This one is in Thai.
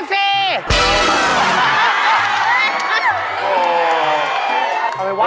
อะไรวะ